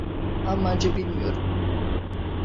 Almanca bilmiyorum.